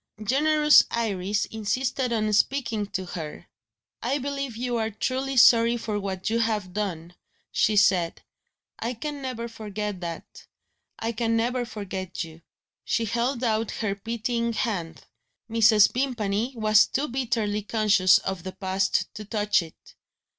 Generous Iris insisted on speaking to her. "I believe you are truly sorry for what you have done," she said; "I can never forget that I can never forget You." She held out her pitying hand. Mrs. Vimpany was too bitterly conscious of the past to touch it.